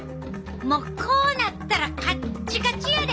もうこうなったらカッチカチやで。